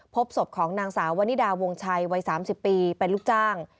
พบศพของนางสาววนิดาวงชัยวัย๓๐ปีเป็นลูกจ้าง